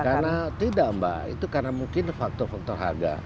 karena tidak mbak itu karena mungkin faktor faktor harga